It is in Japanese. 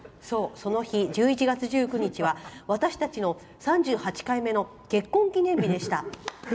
その日、１１月１９日は私たちの３８回目の結婚記念日でした。